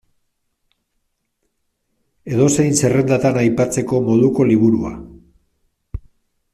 Edozein zerrendatan aipatzeko moduko liburua.